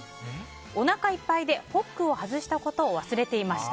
おなかいっぱいでホックを外したことを忘れていました。